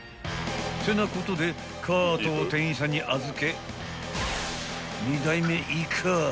［てなことでカートを店員さんに預け２台目いかぁ］